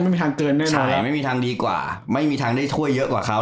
ไม่มีทางเกินแน่นอนไม่มีทางดีกว่าไม่มีทางได้ถ้วยเยอะกว่าเขา